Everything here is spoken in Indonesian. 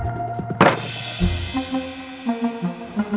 thank you bang